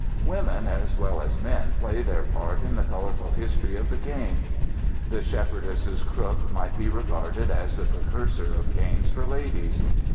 Women as well as men play their part in the colourful story of the cane. The shepherdess's crook might be regarded as the precursor of canes for ladies.